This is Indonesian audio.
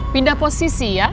pindah posisi ya